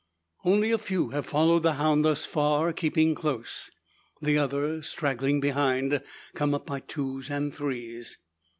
Only a few have followed the hound thus far, keeping close. The others, straggling behind, come up by twos and threes.